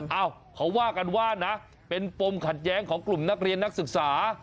เอ้าเขาว่ากันว่านะเป็นปมขัดแย้งของกลุ่มนักเรียนนักศึกษา